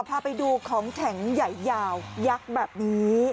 พาไปดูของแข็งใหญ่ยาวยักษ์แบบนี้